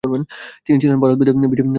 তিনি ছিলেন ভারতবিদ্যা বিষয়ের পণ্ডিত।